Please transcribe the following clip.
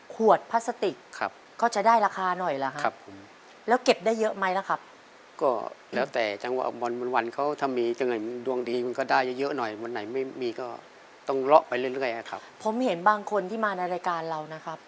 ก็ที่ขายดีก็เป็นพัสติกขวดอะไรอย่างนี้ครับ